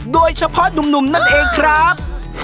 โดยเฉพาะหนุ่มนั่นเองครับ